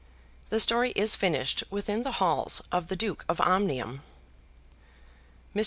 The Story Is Finished Within the Halls of the Duke of Omnium. Mr.